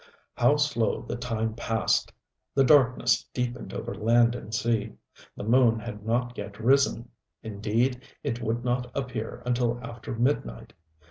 How slow the time passed! The darkness deepened over land and sea. The moon had not yet risen indeed it would not appear until after midnight.